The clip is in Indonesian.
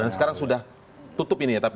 sekarang sudah tutup ini ya